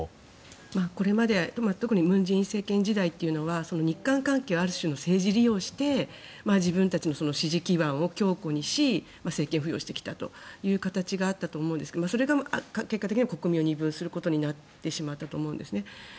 これまで特に文在寅時代というのは日韓関係を政治利用して自分たちの支持基盤を強固にし政権浮揚してきたというのがあったと思いますがそれが結果的には国民を二分する形になってしまったと思うんですね。